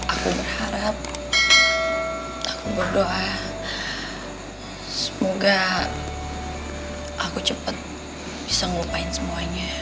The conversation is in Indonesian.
aku berharap aku berdoa semoga aku cepat bisa ngupain semuanya